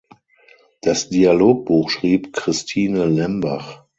Das Dialogbuch schrieb Christine Lembach.